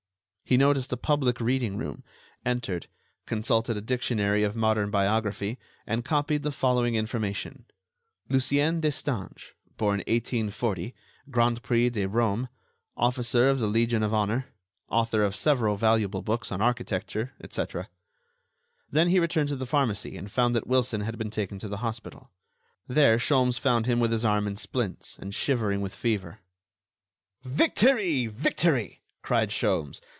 He noticed a public reading room, entered, consulted a dictionary of modern biography, and copied the following information: "Lucien Destange, born 1840, Grand Prix de Rome, officer of the Legion of Honor, author of several valuable books on architecture, etc...." Then he returned to the pharmacy and found that Wilson had been taken to the hospital. There Sholmes found him with his arm in splints, and shivering with fever. "Victory! Victory!" cried Sholmes.